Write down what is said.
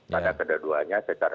karena keduanya secara